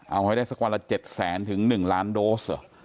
เอาให้ได้สักวันละ๗แสนถึง๑ล้านโดสเหรอ